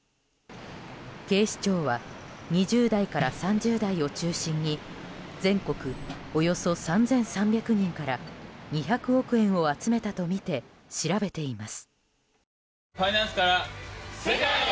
警視庁は２０代から３０代を中心に全国およそ３３００人から２００億円を集めたとみて調べています。